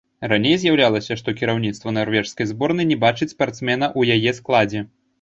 Раней заяўлялася, што кіраўніцтва нарвежскай зборнай не бачыць спартсмена ў яе складзе.